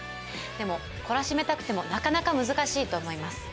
でも、懲らしめたくてもなかなか難しいと思います。